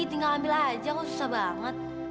tinggal ambil aja kok susah banget